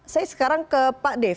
saya sekarang ke pak dev